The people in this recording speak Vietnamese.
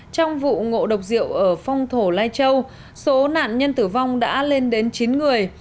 trong vụ ngộ độc rượu ở phong thổ lai châu số nạn nhân tử vong đã lên đến chín người